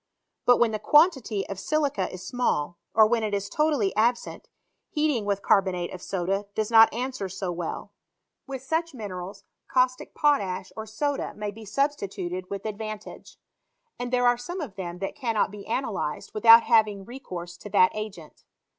But when the quantity of silica is small, or when it is totally absent, heating with carbonate of soda does not answer so well. With such minerals, caustic potash or soda m&y be substituted with ad PBOG&E&S OF AVAJLTTICAI* CHZMISTRT. 201 mmtage ; and there are some of them that cannot be voalyz^ without having recourse to that agent.